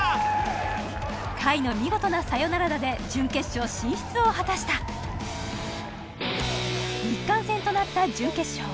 甲斐の見事なサヨナラ打で準決勝進出を果たした日韓戦となった準決勝